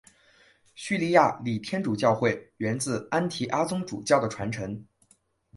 叙利亚礼天主教会源自安提阿宗主教的传承。